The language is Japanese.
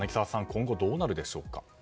今後どうなるでしょうか。